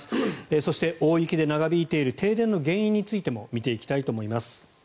そして、大雪で長引いている停電の原因についても見ていきたいと思います。